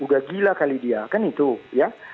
juga gila kali dia kan itu ya